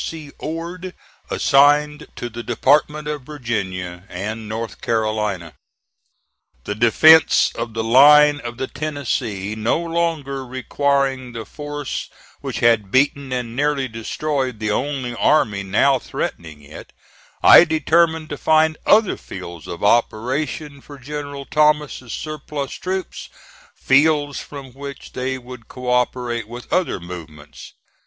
C. Ord assigned to the Department of Virginia and North Carolina. The defence of the line of the Tennessee no longer requiring the force which had beaten and nearly destroyed the only army now threatening it, I determined to find other fields of operation for General Thomas's surplus troops fields from which they would co operate with other movements.